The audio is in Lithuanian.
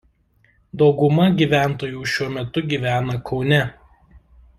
Dauguma gyventojų šiuo metu gyvena Kaune.